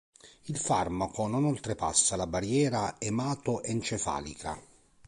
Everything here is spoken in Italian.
Il farmaco non oltrepassa la barriera emato-encefalica.